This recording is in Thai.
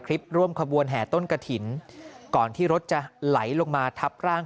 ร่วมขบวนแห่ต้นกะถิ่นก่อนที่รถจะไหลลงมาทับร่าง